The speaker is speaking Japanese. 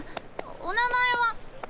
お名前は。